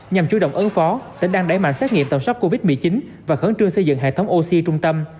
nhằm chú động ứng phó tỉnh đang đẩy mạnh xét nghiệm tầm soát covid một mươi chín và khẩn trương xây dựng hệ thống oxy trung tâm